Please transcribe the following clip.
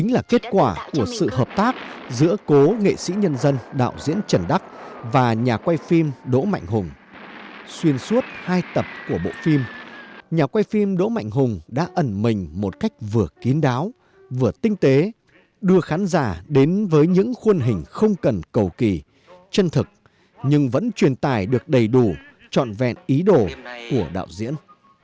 nhà quay phim đỗ mạnh hùng đã ẩn mình một cách vừa kín đáo vừa tinh tế đưa khán giả đến với những khuôn hình không cần cầu kỳ chân thực nhưng vẫn truyền tài được đầy đủ trọn vẹn ý đồ của đạo diễn